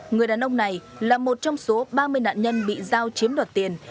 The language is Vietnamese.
người đàn ông này là một trong số ba mươi nạn nhân bị giao chiếm đoạt tiền